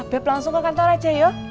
beb langsung ke kantor aja yuk